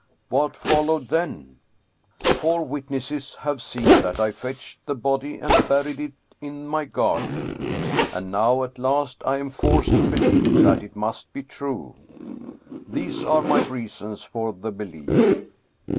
... What fol lowed then? Four witnesses have seen that I fetched the body and buried it in my garden and now at last I am forced to believe that it must be true. These are my reasons for the belief.